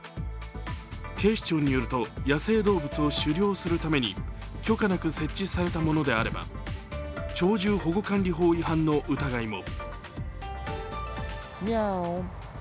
警視庁によると、野生動物を狩猟するために許可なく設置されたものであれば鳥獣保護管理法違反の疑いも。